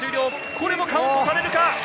これもカウントされるか。